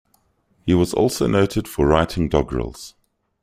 He was also noted for writing doggerels.